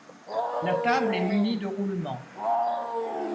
La table est munie de roulements.